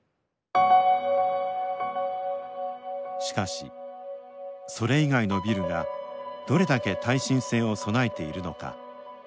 しかしそれ以外のビルがどれだけ耐震性を備えているのか。